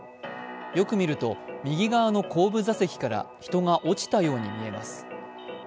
よく見ると、右側の後部座席から人が落ちたようにみえます。